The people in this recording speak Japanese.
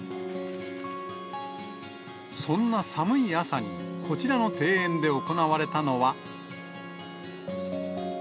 そんな寒い朝に、こちらの庭園で行われたのは。